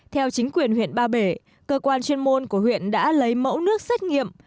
theo chính quyền huyện ba bể cơ quan chuyên môn của huyện đã lấy mẫu nước xét nghiệm